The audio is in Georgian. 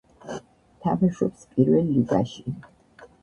თამაშობს პირველ ლიგაში.